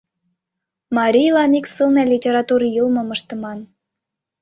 Марийлан ик сылне литератур йылмым ыштыман.